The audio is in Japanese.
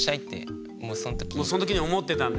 もうその時に思ってたんだ。